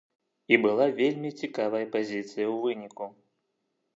І была вельмі цікавая пазіцыя ў выніку.